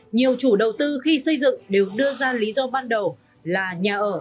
nhiều chủ đầu tư khi xây dựng đều đưa ra lý do ban đầu là nhà ở